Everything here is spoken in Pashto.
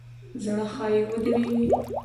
زړه ښایي ودریږي.